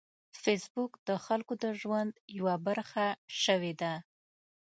فېسبوک د خلکو د ژوند یوه برخه شوې ده